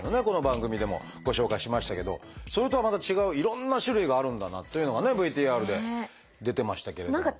この番組でもご紹介しましたけどそれとはまた違ういろんな種類があるんだなというのがねＶＴＲで出てましたけれども。